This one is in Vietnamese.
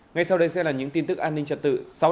ngay sau đây sẽ là những tin tức an ninh trật tự